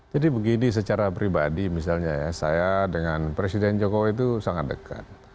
jadi begini secara pribadi misalnya saya dengan presiden jokowi itu sangat dekat